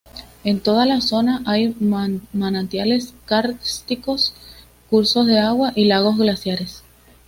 En toda la zona hay manantiales kársticos, cursos de agua y lagos glaciares.